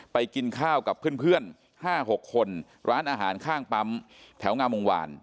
กินข้าวกับเพื่อน๕๖คนร้านอาหารข้างปั๊มแถวงามวงวาน